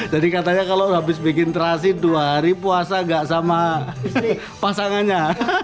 jadi katanya kalau habis bikin terasi dua hari puasa nggak sama pasangannya